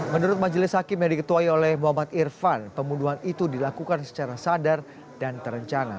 menurut majelis hakim yang diketuai oleh muhammad irfan pembunuhan itu dilakukan secara sadar dan terencana